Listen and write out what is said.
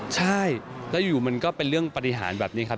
ใช่แล้วอยู่มันก็เป็นเรื่องปฏิหารแบบนี้ครับ